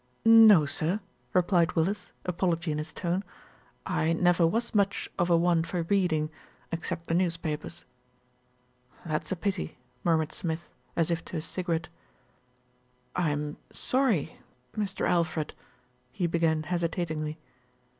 "No, sir," replied Willis, apology in his tone. "I never was much of a one for reading, except the news papers." "That's a pity," murmured Smith, as if to his cigarette. 48 THE RETURN OF ALFRED "I'm sorry, Mr. Alfred," he began hesitatingly.